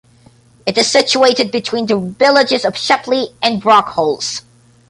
It is situated between the villages of Shepley and Brockholes.